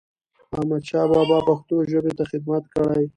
احمدشاه بابا پښتو ژبې ته خدمت کړی.